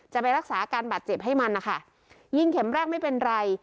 จะไปรักษาอาการบาดเจ็บให้มันนะคะยิงเข็มแรกไม่เป็นไร